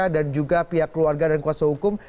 dan juga pihak keluarga dan kuasa hukum